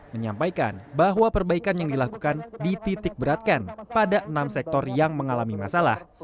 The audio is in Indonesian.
menyampaikan bahwa perbaikan yang dilakukan dititik beratkan pada enam sektor yang mengalami masalah